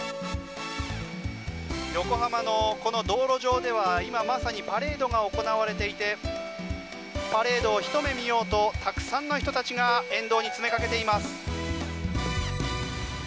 横浜のこの道路上では今まさにパレードが行われていてパレードをひと目見ようとたくさんの人たちが沿道に詰めかけています。